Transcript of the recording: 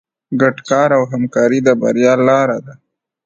ګډ کار او همکاري د بریا لاره ده.